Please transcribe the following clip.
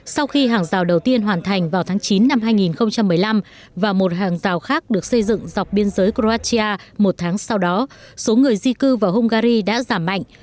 sau khi hàng rào đầu tiên hoàn thành vào tháng chín năm hai nghìn một mươi năm và một hàng rào khác được xây dựng dọc biên giới croatia một tháng sau đó số người di cư vào hungary đã giảm mạnh